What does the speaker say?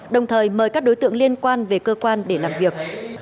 đồng thời mời các đối tượng liên quan về cơ quan để làm việc